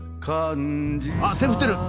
あ手振ってる！